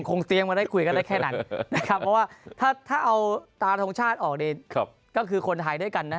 เตียงมาได้คุยกันได้แค่นั้นนะครับเพราะว่าถ้าเอาตาทรงชาติออกนี่ก็คือคนไทยด้วยกันนะ